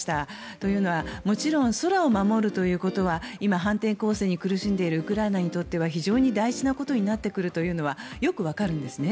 というのはもちろん空を守るということは今、反転攻勢に苦しんでいるウクライナにとっては非常に大事なことになってくるというのはよくわかるんですね。